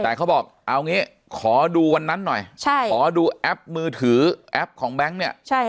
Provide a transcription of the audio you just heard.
แต่เขาบอกเอางี้ขอดูวันนั้นหน่อยขอดูแอปมือถือแอปของแบงค์เนี่ย